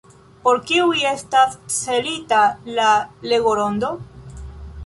Por kiuj estas celita la legorondo?